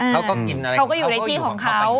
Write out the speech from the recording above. เขาก็อยู่ในที่ของเขา